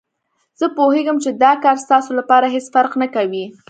زه پوهېږم چې دا کار ستاسو لپاره هېڅ فرق نه کوي.